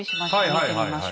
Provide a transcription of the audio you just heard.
見てみましょう。